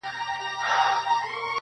لا هم پاڼي پاڼي اوړي دا زما د ژوند کتاب,